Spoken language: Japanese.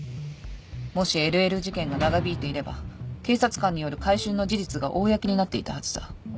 もしＬＬ事件が長引いていれば警察官による買春の事実が公になっていたはずだ。